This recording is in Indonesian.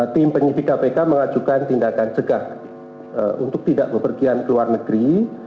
tim penyidik kpk mengajukan tindakan cegah untuk tidak bepergian ke luar negeri